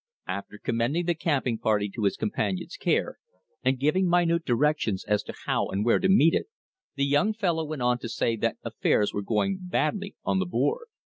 After commending the camping party to his companion's care, and giving minute directions as to how and where to meet it, the young fellow went on to say that affairs were going badly on the Board.